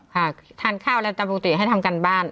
หากทานข้าวอะไรตามปกติให้ทำการบ้าน